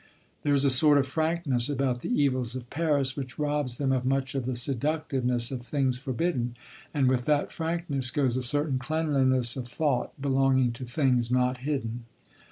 There is a sort of frankness about the evils of Paris which robs them of much of the seductiveness of things forbidden, and with that frankness goes a certain cleanliness of thought belonging to things not hidden.